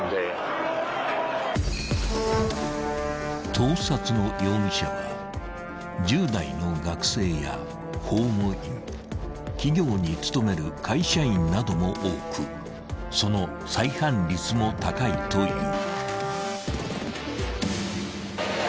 ［盗撮の容疑者は１０代の学生や公務員企業に勤める会社員なども多くその再犯率も高いという］